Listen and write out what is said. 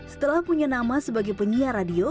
setelah punya nama sebagai penyiar radio